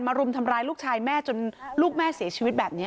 รุมทำร้ายลูกชายแม่จนลูกแม่เสียชีวิตแบบนี้